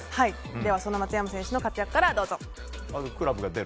では、その松山選手の活躍からどうぞ。